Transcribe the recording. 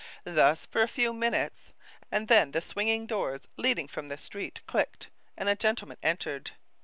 Thus for a few minutes, and then the swinging doors leading from the street clicked, and a gentleman entered.